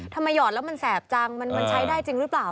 หยอดแล้วมันแสบจังมันใช้ได้จริงหรือเปล่า